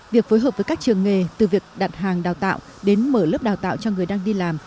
việc phối hợp với các trường nghề từ việc đặt hàng đào tạo đến mở lớp đào tạo cho người đang đi làm